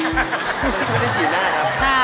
เค้าทิ้งไม่ได้ฉีดหน้าครับ